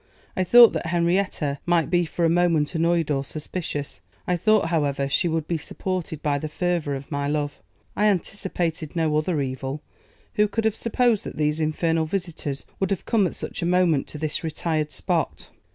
I thought that Henrietta might be for a moment annoyed or suspicious; I thought, however, she would be supported by the fervour of my love. I anticipated no other evil. Who could have supposed that these infernal visitors would have come at such a moment to this retired spot?